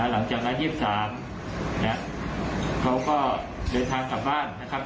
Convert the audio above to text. หลังจากนั้น๒๓เขาก็เดินทางกลับบ้านนะครับ